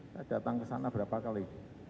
saya datang ke sana berapa kali